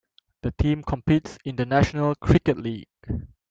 The team competes in the National Cricket League.